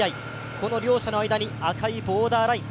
この両者の間に赤いボーダーライン。